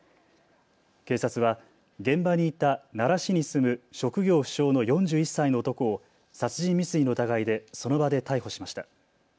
警察は現場にいた奈良市に住む職業不詳の４１歳の男を殺人未遂の疑いでその場で逮捕しました。